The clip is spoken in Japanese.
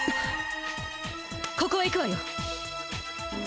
ここへ行くわよ！